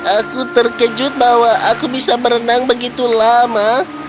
aku terkejut bahwa aku bisa berenang begitu lama